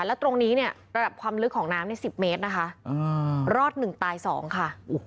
แล้วตรงนี้เนี่ยระดับความลึกของน้ำใน๑๐เมตรนะคะรอด๑ตาย๒ค่ะ